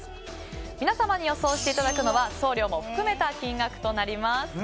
皆様に予想していただくのは送料も含めた金額となります。